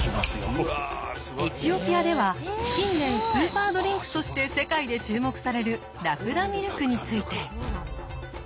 エチオピアでは近年スーパードリンクとして世界で注目されるラクダミルクについて。